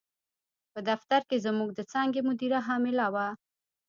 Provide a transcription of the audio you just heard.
په دفتر کې زموږ د څانګې مدیره حامله وه.